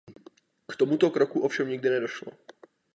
K tomuto kroku ovšem nikdy nedošlo.